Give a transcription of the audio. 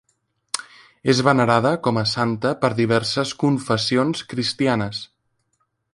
És venerada com a santa per diverses confessions cristianes.